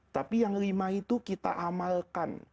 tapi yang lima itu kita amalkan